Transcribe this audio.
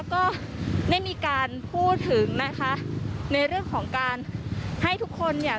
ก็ได้มีการพูดถึงนะคะในเรื่องของการให้ทุกคนเนี่ย